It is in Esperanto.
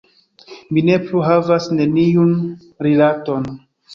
Mi ne plu havas neniun rilaton.